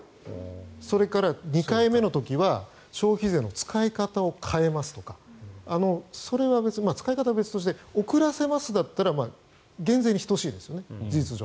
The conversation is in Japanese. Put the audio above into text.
それから２回目の時は消費税の使い方を変えますとかそれは別に、使い方は別として遅らせますだったら減税に等しいですよね。